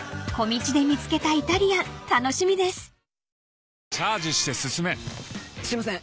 ［小道で見つけたイタリアン楽しみです］